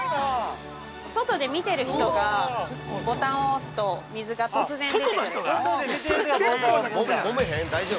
◆外で見てる人がボタンを押すと水が突然出てくる感じ。